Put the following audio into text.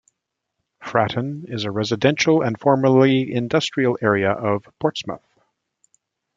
Fratton is a residential and formerly industrial area of Portsmouth.